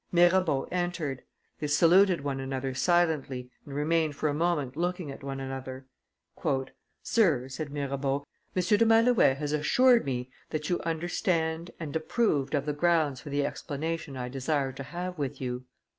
Mirabeau entered. They saluted one another silently and remained for a moment looking at one another. "Sir," said Mirabeau, "M. de Malouet has assured me that you understood and approved of the grounds for the explanation I desire to have with you."